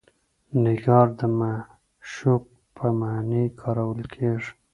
نګار د معشوق په معنی کارول کیږي.